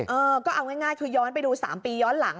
เออก็เอาง่ายคือย้อนไปดู๓ปีย้อนหลัง